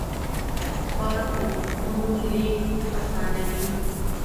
باد د تخمونو لیږد اسانوي